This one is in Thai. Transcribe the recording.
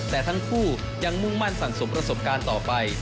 แต่ทั้งคู่ยังมุ่งมั่นสั่งสมประสบการณ์ต่อไป